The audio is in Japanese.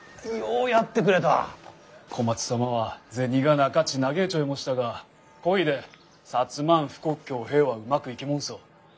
小松様は銭がなかち嘆いちょいもしたがこいで摩ん富国強兵はうまくいきもんそ。